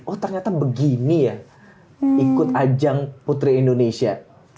oh ternyata begini ya ikut ajang putri indonesia